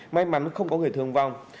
may mắn không có người thương vong